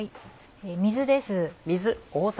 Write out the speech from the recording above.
水です。